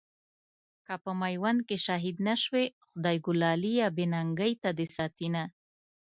که په ميوند کې شهيد نه شوې، خدایږو لاليه بې ننګۍ ته دې ساتينه